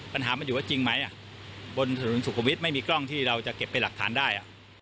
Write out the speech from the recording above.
ปัญหามันอยู่ว่าจริงไหมบนถนนสุขวิทย์ไม่มีกล้องที่เราจะเก็บเป็นหลักฐานได้